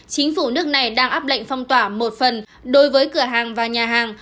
chính phủ nước này đang áp lệnh phong tỏa một phần đối với cửa hàng và nhà hàng